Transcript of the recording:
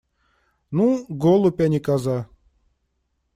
Ну, голубь, а не коза.